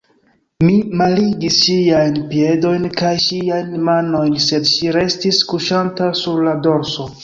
Mi malligis ŝiajn piedojn kaj ŝiajn manojn, sed ŝi restis kuŝanta sur la dorso.